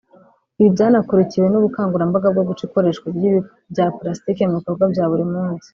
Ibi byanakurikiwe n’ubukangurambaga bwo guca ikoreshwa ry’ibikoresho bya pulasitiki mu bikorwa bya buri munsi